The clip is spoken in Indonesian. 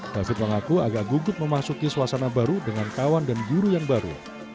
dasid mengaku agak gugut memasuki suasana baru dengan kawan dan guru yang baru